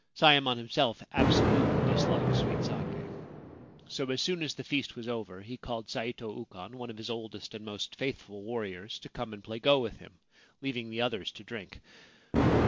Sayemon himself absolutely disliked sweet sake. So as soon as the feast was over he called Saito Ukon, one of his oldest and most faithful warriors, to come and play go with him, leaving the others to drink.